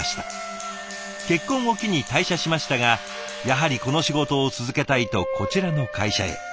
結婚を機に退社しましたがやはりこの仕事を続けたいとこちらの会社へ。